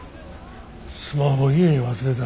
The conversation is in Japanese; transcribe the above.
スマホ家に忘れた。